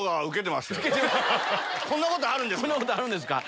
こんなことあるんですか？